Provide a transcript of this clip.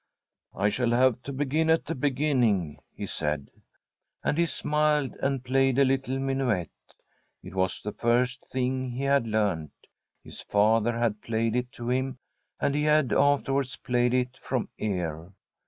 ' I shall have to begin at the beginning,' he said. And he smiled and played a little minuet. It was the first thing he had learnt. His father had played it to him, and he had afterwards played it from ear.